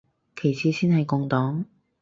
其次先係共黨